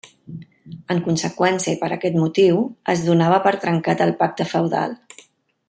En conseqüència i per aquest motiu es donava per trencat el pacte feudal.